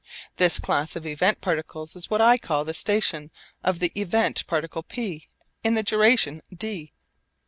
This class of event particles is what I call the 'station' of the event particle P in the duration d.